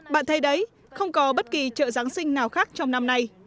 bạn thấy đấy không có bất kỳ chợ giáng sinh nào khác trong năm nay